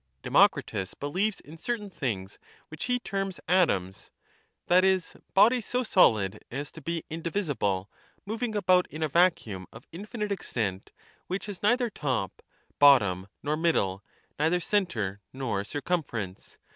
Oemoeritus believes in certain things which he terms atoms,' that is, bodies so solid as to be indivisible, moving about in a vacuum of infinite extent, which has neither top, bottom nor middle, neither centre nor cjrcutnference.